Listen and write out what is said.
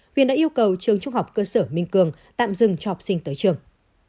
huyền đã yêu cầu trường trung học cơ sở minh cường tạm dừng cho học sinh tới trường